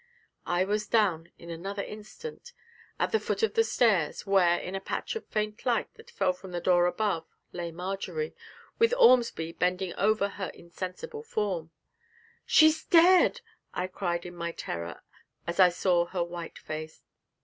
I was down in another instant, at the foot of the stairs, where, in a patch of faint light that fell from the door above, lay Marjory, with Ormsby bending over her insensible form. 'She's dead!' I cried in my terror, as I saw her white face.